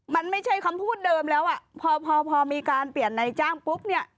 มันไม่ใช่คำพูดเดิมแล้วอ่ะพอพอมีการเปลี่ยนนายจ้างปุ๊บเนี่ย